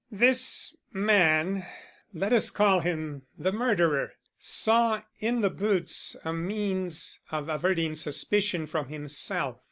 This man let us call him the murderer saw in the boots a means of averting suspicion from himself.